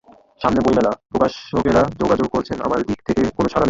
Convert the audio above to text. সামনে বইমেলা, প্রকাশকেরা যোগাযোগ করছেন, আমার দিক থেকে কোনো সাড়া নেই।